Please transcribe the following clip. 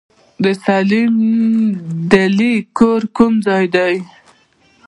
د سليم دلې کور کوم ځای دی؟